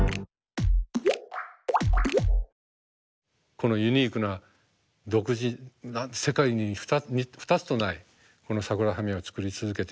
このユニークな独自な世界に２つとないこのサグラダ・ファミリアを作り続けていく。